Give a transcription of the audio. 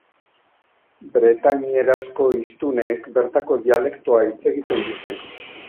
Bretainierazko hiztunek bertako dialektoa hitz egiten dute.